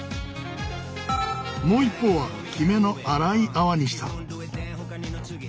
もう一方はきめの粗い泡にした。